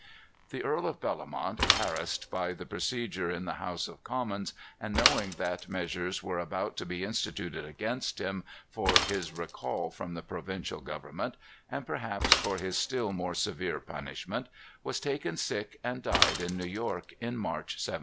The Earl of Bellomont, harassed by the procedure in the House of Commons, and knowing that measures were about to be instituted against him for his recall from the provincial government, and perhaps for his still more severe punishment, was taken sick and died in New York, in March, 1700.